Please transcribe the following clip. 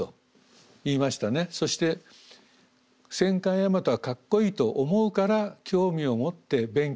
そして戦艦大和はかっこいいと思うから興味を持って勉強する。